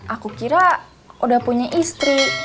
aku kira udah punya istri